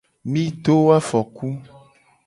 Mi do wo afoku.